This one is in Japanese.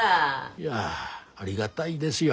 いやありがだいですよ。